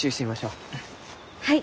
はい。